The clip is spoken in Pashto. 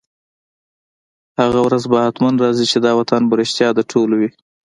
هغه ورځ به حتماً راځي، چي دا وطن به رشتیا د ټولو وي